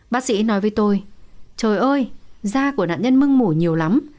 bác sĩ nói với tôi trời ơi da của nạn nhân mưng mủ nhiều lắm